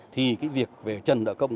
thì cái việc về trần nợ công